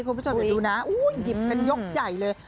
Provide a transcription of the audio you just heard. คุณผู้ชมอยู่ดูนะอู้ยหยิบกันยกใหญ่เลย